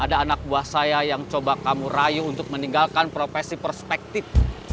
ada anak buah saya yang coba kamu rayu untuk meninggalkan profesi perspektif